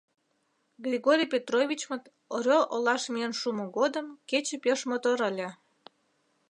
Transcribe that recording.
Григорий Петровичмыт Орёл олаш миен шумо годым кече пеш мотор ыле.